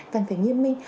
cần phải nghiêm minh